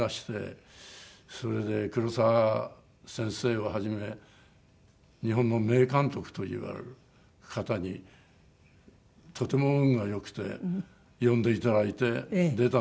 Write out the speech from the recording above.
それで黒澤先生をはじめ日本の名監督といわれる方にとても運が良くて呼んでいただいて出たんですけど。